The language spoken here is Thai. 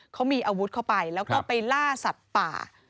เขามีอาวุธเข้าไปแล้วก็ไปล่าสัตว์ป่า